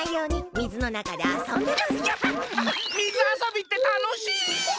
みずあそびってたのしい！